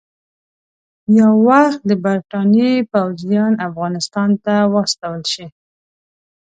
یو وخت د برټانیې پوځیان افغانستان ته واستول شي.